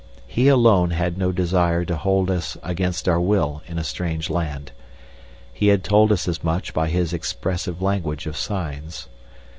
He alone had no desire to hold us against our will in a strange land. He had told us as much by his expressive language of signs.